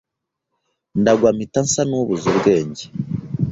ndagwa mpita nsa n’ubuze ubwenge